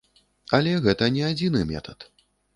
Але гэта не адзіны метад.